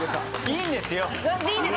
いいんですね。